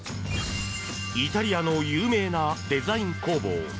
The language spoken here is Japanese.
イタリアの有名なデザイン工房